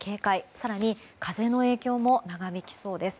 更に風の影響も長引きそうです。